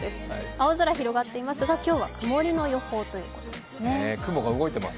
青空広がっていますが、今日は曇りの予報です。